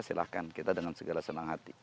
silahkan kita dengan segala senang hati